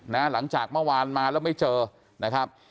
หลังจากเมื่อวานมาแล้วไม่เจอนะครับ